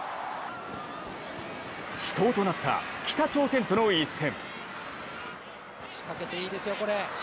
死闘となった北朝鮮との一戦。